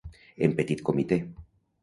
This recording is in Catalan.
En petit comitè.